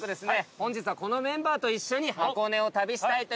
本日はこのメンバーと一緒に箱根を旅したいと。